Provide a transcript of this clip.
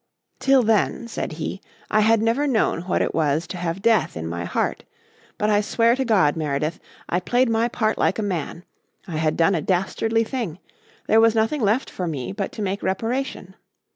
"Till then," said he, "I had never known what it was to have death in my heart. But I swear to God, Meredyth, I played my part like a man. I had done a dastardly thing. There was nothing left for me but to make reparation.